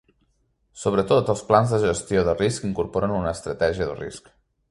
Sobretot, els plans de gestió de risc incorporen una estratègia de risc.